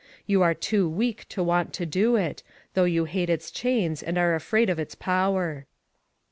You are too weak to want to do it, though you hate its chains, and are afraid of its power."